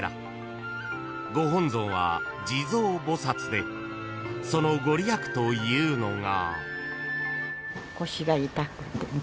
［ご本尊は地蔵菩薩でその御利益というのが］